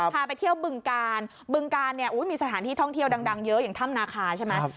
พาไปเที่ยวบึงกาลบึงกาลเนี่ยมีสถานที่ท่องเที่ยวดังเยอะอย่างถ้ำนาคาใช่ไหม